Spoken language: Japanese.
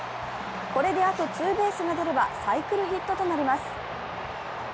これであとツーベースが出ればサイクルヒットとなります。